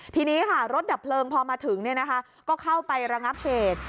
ทีนี้ค่ะรถดับเพลิงพอมาถึงก็เข้าไประงับเหตุ